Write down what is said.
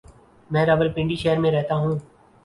میں راولپنڈی شہر میں رہتا ہوں۔